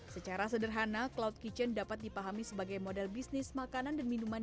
secara sederhana cloud kitchen dapat dipahami sebagai model bisnis makanan dan minuman